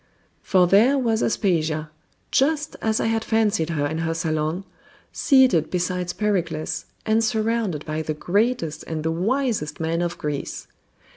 For there was Aspasia, just as I had fancied her in her salon, seated beside Pericles, and surrounded by the greatest and the wisest men of Greece.